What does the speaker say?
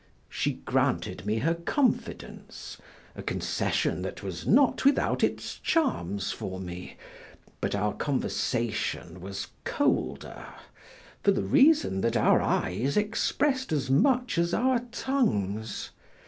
She granted me her confidence, a concession that was not without its charms for me; but our conversation was colder, for the reason that our eyes expressed as much as our tongues.